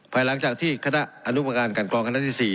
ภายหลังจากที่คณะอนุมการกรรมคณะที่๔